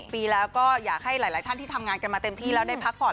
ปีแล้วก็อยากให้หลายท่านที่ทำงานกันมาเต็มที่แล้วได้พักผ่อน